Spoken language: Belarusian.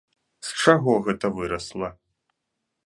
З чаго гэта вырасла?